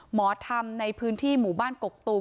หมอธรรมในพื้นที่หมู่บ้านกกตูม